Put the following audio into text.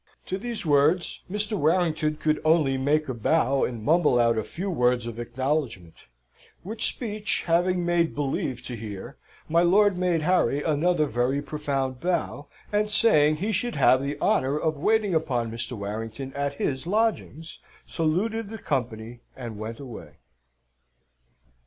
To these words, Mr. Warrington could only make a bow, and mumble out a few words of acknowledgment: which speech having made believe to hear, my lord made Harry another very profound bow, and saying he should have the honour of waiting upon Mr. Warrington at his lodgings, saluted the company, and went away.